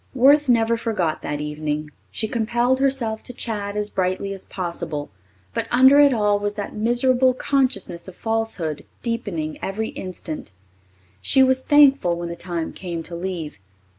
Worth never forgot that evening. She compelled herself to chat as brightly as possible, but under it all was that miserable consciousness of falsehood, deepening every instant. She was thankful when the time came to leave.